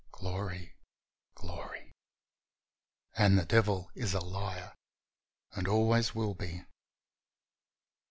Glory! Glory! And the devil is a liar and always will be.